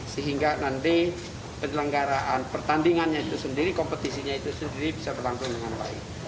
sehingga nanti penyelenggaraan pertandingannya itu sendiri kompetisinya itu sendiri bisa berlangsung dengan baik